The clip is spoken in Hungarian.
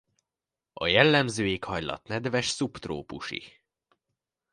A jellemző éghajlat nedves szubtrópusi.